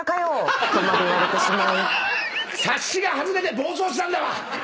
察しが外れて暴走したんだわ！